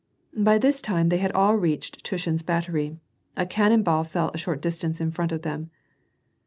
By this time they had all reached Tushin's battery ; a cannon ball feU a short distance in front of them.